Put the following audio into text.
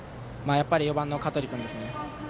やっぱり４番の香取君ですね。